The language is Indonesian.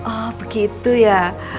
oh begitu ya